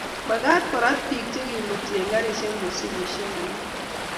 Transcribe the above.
magaat korat biik chegemutii eng karit mishipishek amu